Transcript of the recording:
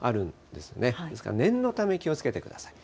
ですから念のため、気をつけてください。